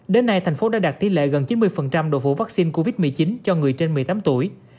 đến nay thành phố đã đạt tỷ lệ gần chín mươi độ vũ vaccine covid một mươi chín cho người trên một mươi tám tuổi